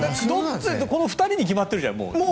この２人に決まってるじゃん、もう。